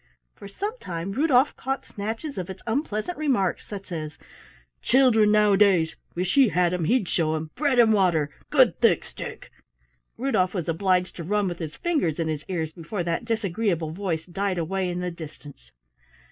For some time Rudolf caught snatches of its unpleasant remarks, such as "Children nowadays wish he had 'em he'd show 'em bread and water good thick stick! " Rudolf was obliged to run with his fingers in his ears before that disagreeable voice died away in the distance.